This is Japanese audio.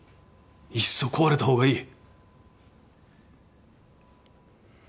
いっそ壊れた方がいい。